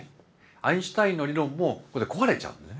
アインシュタインの理論もここで壊れちゃうんだよね。